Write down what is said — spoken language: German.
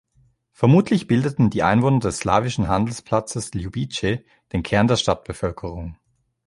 Vermutlich bildeten die Einwohner des slawischen Handelsplatzes "Liubice" den Kern der Stadtbevölkerung.